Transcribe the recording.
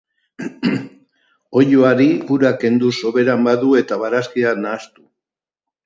Oloari ura kendu soberan badu eta barazkiak nahastu.